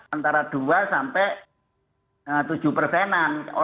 antara dua sampai tujuh persenan